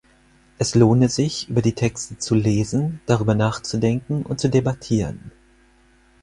Es lohne sich, über die Texte zu lesen, darüber nachzudenken und zu debattieren.